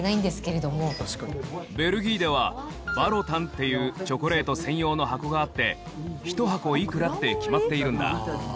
ベルギーではバロタンっていうチョコレート専用の箱があってひと箱いくらって決まっているんだ。